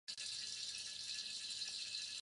Je majitelkou několika mezinárodních společností.